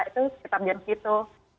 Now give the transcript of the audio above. itu sekitar jam gitu